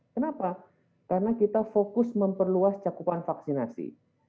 kenapa karena kita fokus memperluas cakupan vaksinasi